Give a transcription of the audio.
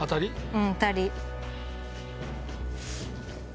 うんあたり。